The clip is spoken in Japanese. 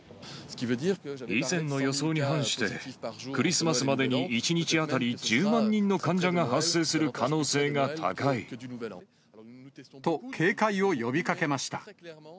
以前の予想に反して、クリスマスまでに１日当たり１０万人の患者が発生する可能性が高と、警戒を呼びかけました。